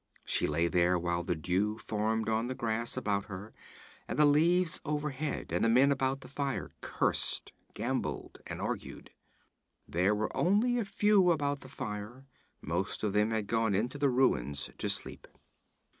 She lay there, while the dew formed on the grass about her and the leaves overhead, and the men about the fire cursed, gambled and argued. There were only a few about the fire; most of them had gone into the ruins to sleep.